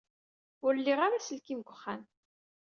Ur liɣ ara aselkim deg uxxam.